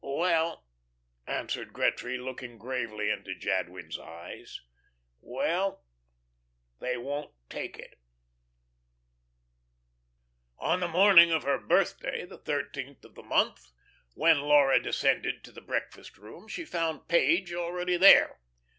"Well," answered Gretry, looking gravely into Jadwin's eyes, "well they won't take it." .............. On the morning of her birthday the thirteenth of the month when Laura descended to the breakfast room, she found Page already there.